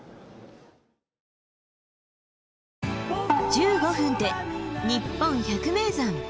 １５分で「にっぽん百名山」。